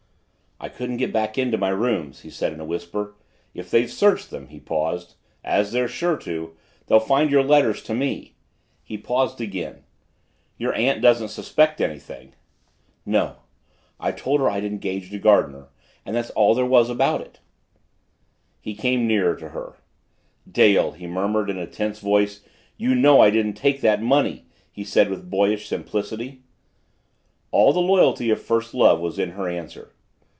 "I couldn't get back to my rooms," he said in a whisper. "If they've searched them," he paused, "as they're sure to they'll find your letters to me." He paused again. "Your aunt doesn't suspect anything?" "No, I told her I'd engaged a gardener and that's all there was about it." He came nearer to her. "Dale!" he murmured in a tense voice. "You know I didn't take that money!" he said with boyish simplicity. All the loyalty of first love was in her answer.